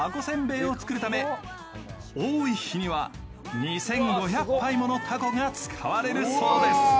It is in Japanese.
せんべいを作るため多い日には２５００杯ものたこが使われるそうです。